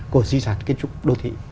của di sản kiến trúc đô thị